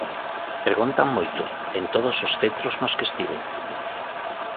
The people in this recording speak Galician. Preguntan moito, en todos os centros nos que estiven.